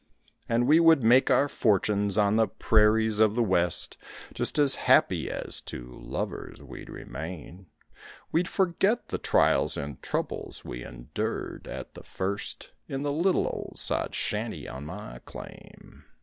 And we would make our fortunes on the prairies of the West, Just as happy as two lovers we'd remain; We'd forget the trials and troubles we endured at the first In the little old sod shanty on my claim.